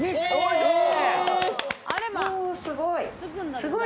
すごい！